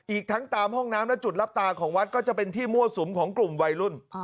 อีกทั้งตามห้องน้ำและจุดรับตาของวัดก็จะเป็นที่มั่วสุมของกลุ่มวัยรุ่น